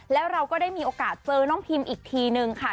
แล้วเราก็ได้มีโอกาสเจอน้องพิมอีกทีนึงค่ะ